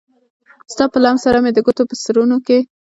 ستا په لمس سره مې د ګوتو په سرونو کې